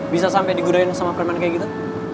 bisa sampe digudahin sama freeman kayak gitu